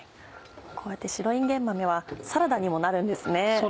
こうやって白いんげん豆はサラダにもなるんですね。